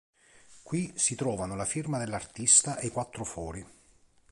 Qui si trovano la firma dell'artista e i quattro fori.